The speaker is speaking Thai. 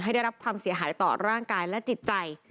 ได้รับความเสียหายต่อร่างกายและจิตใจ